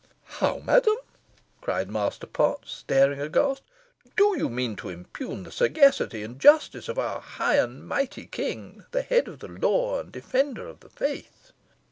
"How, madam!" cried Master Potts, staring aghast. "Do you mean to impugn the sagacity and justice of our high and mighty king, the head of the law, and defender of the faith?"